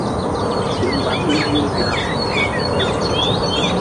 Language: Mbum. Ke mba tul hul da.